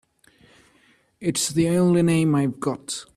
It's the only name I've got.